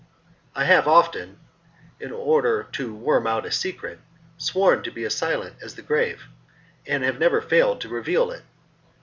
I have often, in order to worm out a secret, sworn to be as silent as the grave, and have never failed to reveal it.